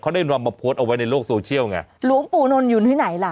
เขาได้นำมาโพสต์เอาไว้ในโลกโซเชียลไงหลวงปู่นนท์อยู่ที่ไหนล่ะ